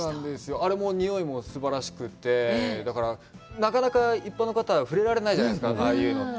あれも、匂いもすばらしくてだからなかなか一般の方は触れられないじゃないですか、ああいうのって。